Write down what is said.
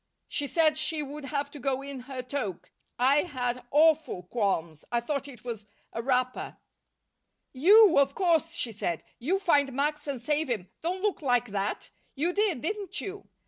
"She said she would have to go in her toque. I had awful qualms. I thought it was a wrapper." "You, of course," she said. "You find Max and save him don't look like that! You did, didn't you?